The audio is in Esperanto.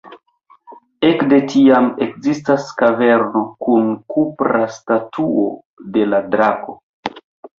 Ekde tiam ekzistas kaverno kun kupra statuo de la drako.